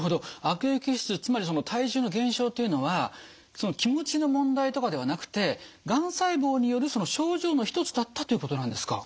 悪液質つまりその体重の減少というのは気持ちの問題とかではなくてがん細胞による症状の一つだったっていうことなんですか。